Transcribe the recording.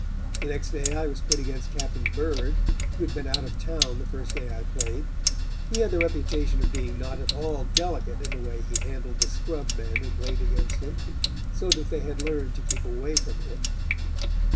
The next day I was put against Captain Bird, who had been out of town the first day I played. He had the reputation of being not at all delicate in the way he handled the scrub men who played against him, so that they had learned to keep away from him.